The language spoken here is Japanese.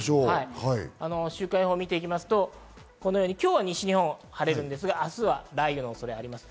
週間予報を見ていきますと、このように今日は西日本は晴れますが、明日は雷雨の恐れがあります。